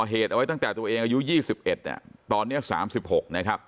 เหตุเอาไว้ตั้งแต่ตัวเองอายุ๒๑ตอนนี้๓๖นะครับ